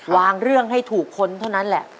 เรื่องให้ถูกคนเท่านั้นแหละ